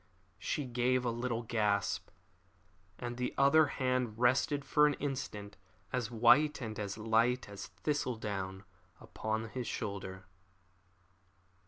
She gave a little gasp, and her other hand rested for an instant, as white and as light as thistle down, upon his shoulder.